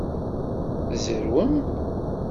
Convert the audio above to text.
Tzerrwem?